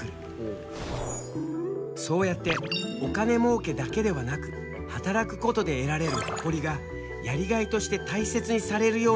そうやってお金もうけだけではなく働くことで得られる誇りがやりがいとして大切にされるようにもなってきたんだ。